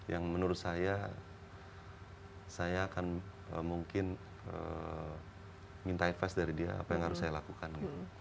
yang menurut saya saya akan mungkin minta advest dari dia apa yang harus saya lakukan